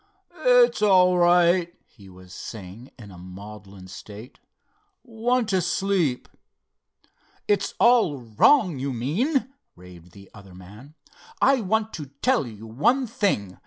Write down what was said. "It's all right," he was saying, in a maudlin state. "Want to sleep." "It's all wrong, you mean!" raved the other man. "I want to tell you one thing!